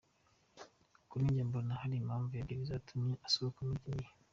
Kuri njye mbona hari impamvu ebyiri zatumye isohoka muri iki gihe.